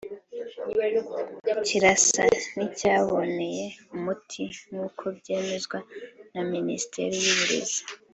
kirasa n’icyabonewe umuti nk’uko byemezwa na Minisiteri y’uburezi